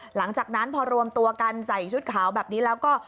หลังจากนั้นพอรวมตัวกันใส่ชุดขาวแบบนี้แล้วก็